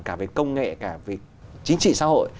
cả về công nghệ cả về chính trị xã hội